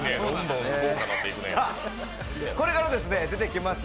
これから出てきます